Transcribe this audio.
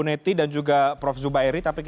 terima kasih studying